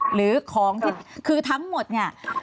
หรือของที่คือทั้งหมดเนี่ย